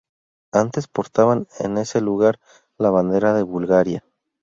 Antes portaban en ese lugar la bandera de Bulgaria.